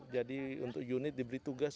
jadi untuk unit diberi tugas